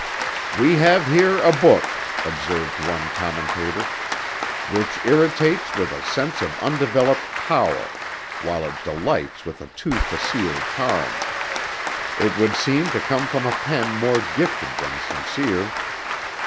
"We have here a book," observed one commentator, "which irritates with a sense of undeveloped power while it delights with a too facile charm. It would seem to come from a pen more gifted than sincere."